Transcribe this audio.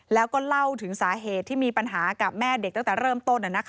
แล้วก็เล่าถึงสาเหตุที่มีปัญหากับแม่เด็กตั้งแต่เริ่มต้น